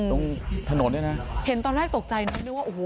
ตรงถนนเนี่ยนะเห็นตอนแรกตกใจนะนึกว่าโอ้โห